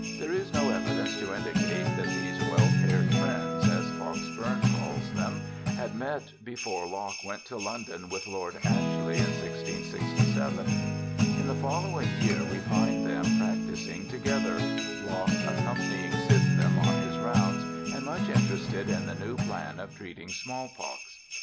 There is no evidence to indicate that these well paired friends, as Fox Bourne calls them, had met before Locke went to London with Lord Ashley in 1667. In the following year we find them practising together, Locke accompanying Sydenham on his rounds and much interested in the new plan of treating small pox.